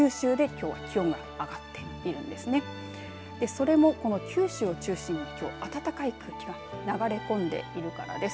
それもこの九州を中心に暖かい空気が流れ込んでいるからです。